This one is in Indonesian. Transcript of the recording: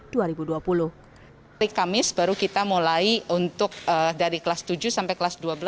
dari kamis baru kita mulai untuk dari kelas tujuh sampai kelas dua belas